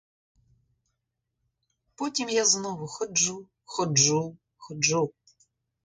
Потім я знов ходжу, ходжу, ходжу.